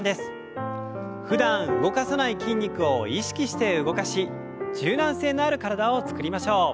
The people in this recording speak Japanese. ふだん動かさない筋肉を意識して動かし柔軟性のある体を作りましょう。